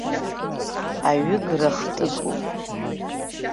Аҩы гра хтыгоуп.